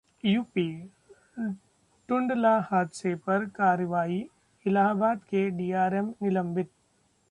UP- Tundla हादसे पर कार्रवाई, इलाहाबाद के डीआरएम निलंबित